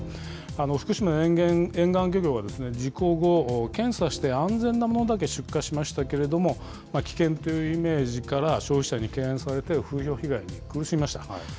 福島沿岸漁業は事故後、検査して安全なものだけ出荷しましたけれども、危険というイメージから、消費者に敬遠されて風評被害に苦しみました。